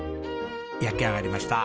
焼き上がりました！